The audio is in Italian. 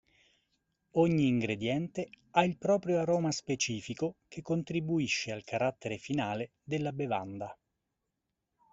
Ogni ingrediente ha il proprio aroma specifico che contribuisce al carattere finale della bevanda.